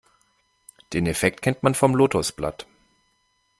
Den Effekt kennt man vom Lotosblatt.